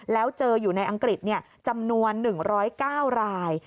แล้วเจออยู่ในอังกฤษจำนวน๑๐๙ราย